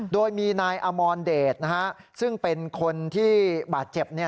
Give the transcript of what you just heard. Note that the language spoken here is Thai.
โดยมีนายอมรเดชซึ่งเป็นคนที่บาดเจ็บ